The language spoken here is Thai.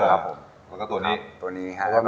แล้วก็ตัวนี้ครับ